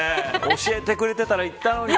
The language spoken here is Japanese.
教えてくれていたら行ったのに。